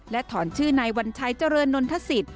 ถอนชื่อนายวัญชัยเจริญนนทศิษย